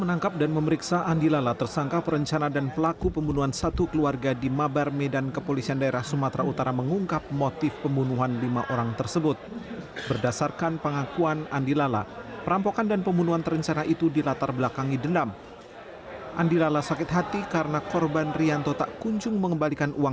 andi lala tersangka perencana dan pelaku pembunuhan satu keluarga di medan setelah menangkap andi lala tersangka perencana dan pelaku pembunuhan satu keluarga di medan setelah menangkap andi lala